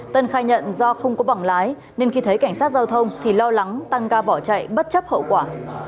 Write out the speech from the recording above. tân khai nhận do không có bảng lái nên khi thấy cảnh sát giao thông thì lo lắng tăng ga bỏ chạy bất chấp hậu quả